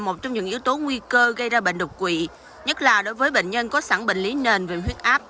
một trong những yếu tố nguy cơ gây ra bệnh đột quỵ nhất là đối với bệnh nhân có sẵn bệnh lý nền về huyết áp